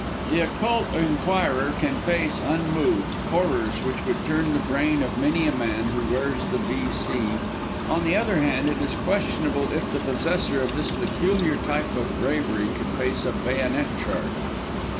The occult inquirer can face, unmoved, horrors which would turn the brain of many a man who wears the V.C.; on the other hand it is questionable if the possessor of this peculiar type of bravery could face a bayonet charge.